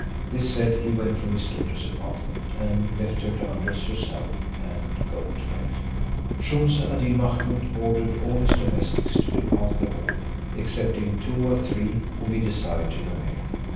This said, he went from his daughter's apartment, and left her to undress herself and go to bed. Shumse ad Deen Mahummud ordered all his domestics to depart the hall, excepting two or three, whom he desired to remain.